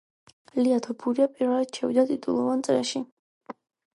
ლია თოფურია პირველად შევიდა ტიტულოვან წრეში